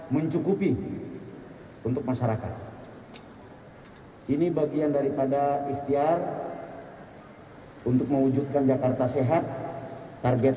mencukupi untuk masyarakat ini bagian daripada ikhtiar untuk mewujudkan jakarta sehat target